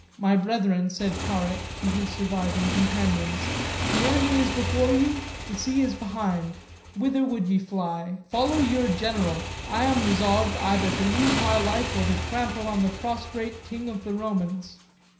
"My brethren," said Tarik to his surviving companions, "the enemy is before you, the sea is behind; whither would ye fly? Follow your general I am resolved either to lose my life, or to trample on the prostrate king of the Romans."